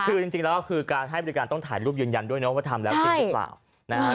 คือจริงแล้วคือการให้บริการต้องถ่ายรูปยืนยันด้วยนะว่าทำแล้วจริงหรือเปล่านะฮะ